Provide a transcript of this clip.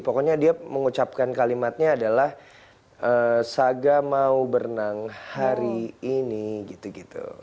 pokoknya dia mengucapkan kalimatnya adalah saga mau berenang hari ini gitu gitu